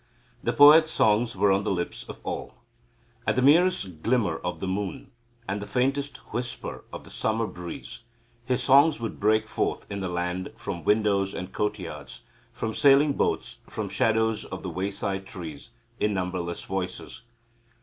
The poet's songs were on the lips of all. At the merest glimmer of the moon and the faintest whisper of the summer breeze his songs would break forth in the land from windows and courtyards, from sailing boats, from shadows of the wayside trees, in numberless voices.